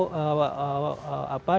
daerah daerah yang di sebelah utara